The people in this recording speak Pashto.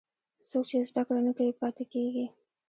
څوک چې زده کړه نه کوي، پاتې کېږي.